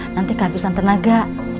nanti kehabisan tenaga